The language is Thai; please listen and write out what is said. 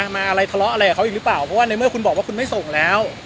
มาอะไรทะเลาะอะไรกับเขาอีกหรือเปล่าเพราะว่าในเมื่อคุณบอกว่าคุณไม่ส่งแล้ว